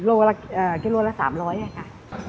โลละเท่าไหร่เนื้อจอระเข้แล้วค่ะ